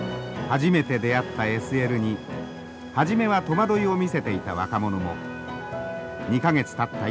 初めて出会ったＳＬに初めは戸惑いを見せていた若者も２か月たった